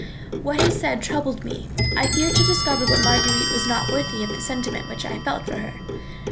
What he said troubled me. I feared to discover that Marguerite was not worthy of the sentiment which I felt for her.